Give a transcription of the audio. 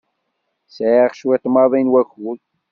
Sɛiɣ cwiṭ maḍi n wakud.